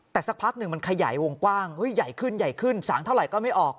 แต่สักพักหนึ่งมันขยายวงกว้างใหญ่ขึ้นใหญ่ขึ้นสางเท่าไหร่ก็ไม่ออก